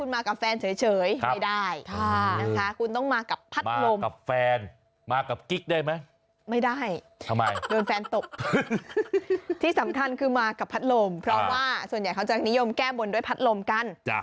ที่สำคัญคือมากับพัดลมเพราะว่าส่วนใหญ่เขาจะนิยมแก้บนด้วยพัดลมกัน